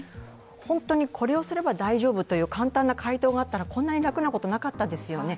本当にこれをすれば大丈夫という簡単な回答があったらこんなに楽なことなかったですよね。